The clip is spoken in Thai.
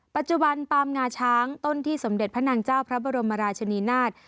ปัจจุบันปามงาช้างต้นที่สมเด็จพระนางเจ้าพระบรมราชนีนาฏ